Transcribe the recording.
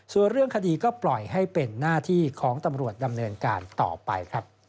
ส่วนเรื่องคดีก็ปล่อยให้เป็นหน้าที่ของตำรวจดำเนินการต่อไปครับ